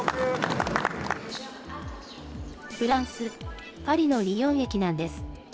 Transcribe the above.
フランス・パリのリヨン駅なんです。